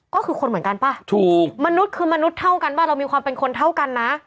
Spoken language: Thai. ก็คือคนเหมือนกันป่ะถูกมนุษย์คือมนุษย์เท่ากันว่าเรามีความเป็นคนเท่ากันนะ